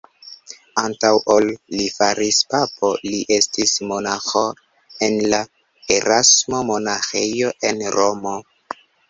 Antaŭ ol li fariĝis papo, li estis monaĥo en la Erasmo-monaĥejo en Romo.